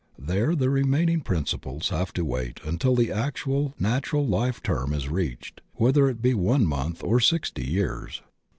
There the remaining principles have to wait 108 THE OCEAN OF THEOSOPHY until the actual natural life term is reached, whether it be one month cr sixty years.